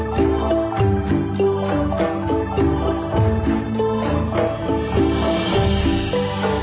ที่สุดท้ายที่สุดท้ายที่สุดท้าย